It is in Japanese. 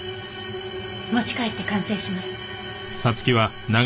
持ち帰って鑑定します。